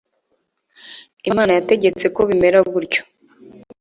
Imana yategetse ko bimera gutyo